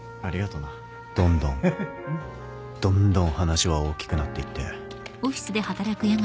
どんどんどんどん話は大きくなっていって。